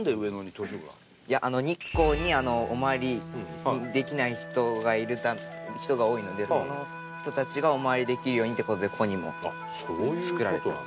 日光にお参りできない人が多いのでその人たちがお参りできるようにっていう事でここにも造られたと。